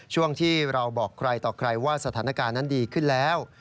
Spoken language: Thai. ช่วงที่เราบอกใครต่อใครว่าสถานการณ์นั้นดีขึ้นแล้ว